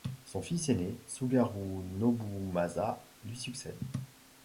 Son fils ainé, Tsugaru Nobumasa, lui succède.